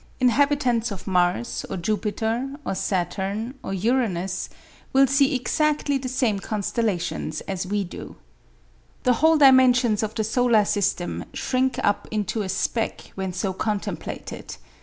Inhabitants of Mars, or Jupiter, or Saturn, or Uranus, will see exactly the same constellations as we do. The whole dimensions of the solar system shrink up into a speck when so contemplated.